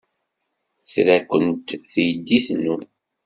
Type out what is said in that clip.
Tra-ken teydit-inu.